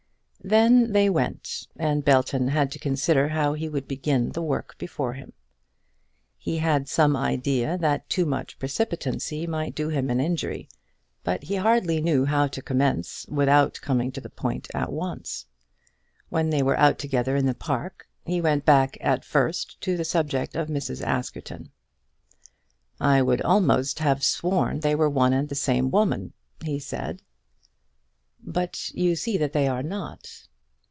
Then they went, and Belton had to consider how he would begin the work before him. He had some idea that too much precipitancy might do him an injury, but he hardly knew how to commence without coming to the point at once. When they were out together in the park, he went back at first to the subject of Mrs. Askerton. "I would almost have sworn they were one and the same woman," he said. "But you see that they are not."